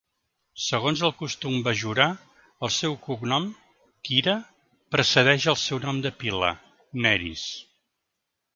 Segons el costum bajorà, el seu cognom, Kira, precedeix el seu nom de pila, Nerys.